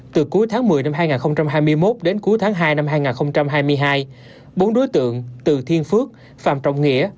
từ cuối tháng một mươi năm hai nghìn hai mươi một đến cuối tháng hai năm hai nghìn hai mươi hai bốn đối tượng từ thiên phước phạm trọng nghĩa